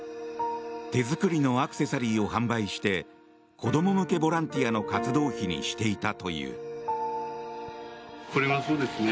手作りのアクセサリーを販売して子ども向けボランティアの活動費にしていたという。